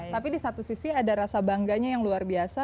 tapi di satu sisi ada rasa bangganya yang luar biasa